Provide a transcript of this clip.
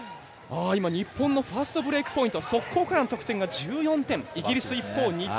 日本のファストブレイクポイント速攻からの得点が１４点イギリスは一方２点。